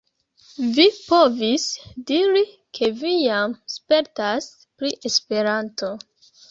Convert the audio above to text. Vi povis diri ke vi jam spertas pri Esperanto.